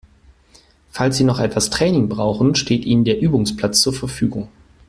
Falls Sie noch etwas Training brauchen, steht Ihnen der Übungsplatz zur Verfügung.